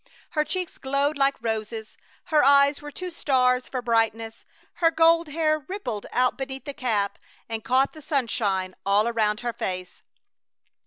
Her cheeks glowed like roses; her eyes were two stars for brightness. Her gold hair rippled out beneath the cap and caught the sunshine all around her face.